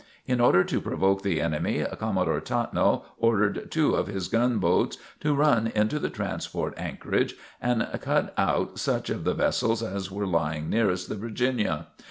In order to provoke the enemy, Commodore Tattnall ordered two of his gunboats to run into the transport anchorage and cut out such of the vessels as were lying nearest the "Virginia."